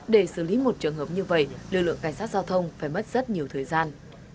để xử lý một trường hợp như vậy lực lượng cảnh sát giao thông phải mất rất nhiều thời gian